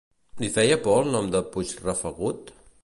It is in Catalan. Li feia por el nom de Puigrafegut?